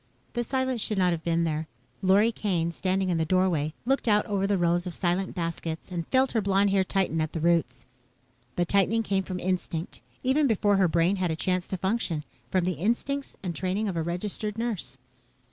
The silence should not have been there. Lorry Kane, standing in the doorway, looked out over the rows of silent baskets and felt her blonde hair tighten at the roots. The tightening came from instinct, even before her brain had a chance to function, from the instincts and training of a registered nurse.